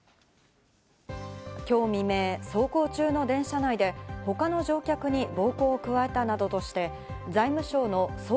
今日未明、走行中の電車内で他の乗客に暴行を加えたなどとして、財務省の総括